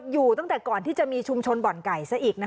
อยู่ตั้งแต่ก่อนที่จะมีชุมชนบ่อนไก่ซะอีกนะ